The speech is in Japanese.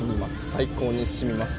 最高にしみます。